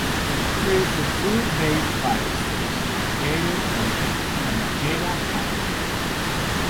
There is a two-bay fire station located on Kamehameha Highway.